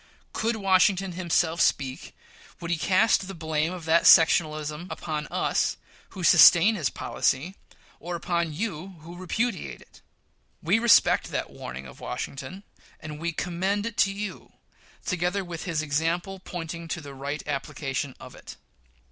Could Washington himself speak, would he cast the blame of that sectionalism upon us, who sustain his policy, or upon you, who repudiate it? We respect that warning of Washington, and we commend it to you, together with his example pointing to the right application of it.